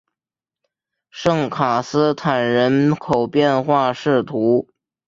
圣卡斯坦人口变化图示